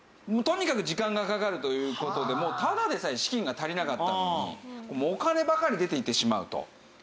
とにかく時間がかかるという事でただでさえ資金が足りなかったのにお金ばかり出ていってしまうと。